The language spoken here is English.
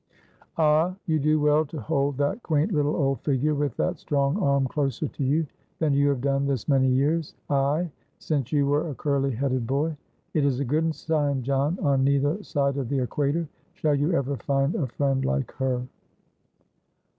Ah, you do well to hold that quaint little old figure with that strong arm closer to you than you have done this many years, ay, since you were a curly headed boy. It is a good sign, John; on neither side of the equator shall you ever find a friend like her.